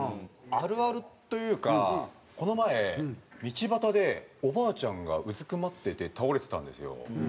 あるあるというかこの前道端でおばあちゃんがうずくまってて倒れてたんですよ。